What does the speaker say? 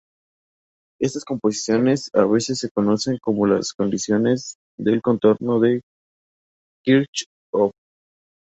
Estas suposiciones a veces se conocen como las condiciones de contorno de Kirchhoff.